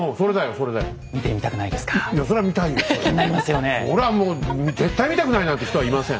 それはもう絶対見たくないなんて人はいません。